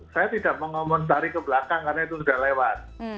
saya tidak mengomentari ke belakang karena itu sudah lewat